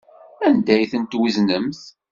Anda ay ten-tweznemt?